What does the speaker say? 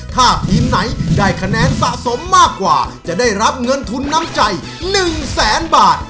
ถ้าทีมไหนได้คะแนนสะสมมากกว่าจะได้รับเงินทุนน้ำใจ๑แสนบาท